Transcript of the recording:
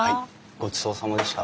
ごちそうさまでした。